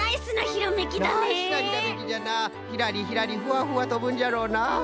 ひらりひらりふわふわとぶんじゃろうな！